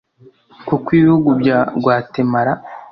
kuko ibihugu bya Guatemala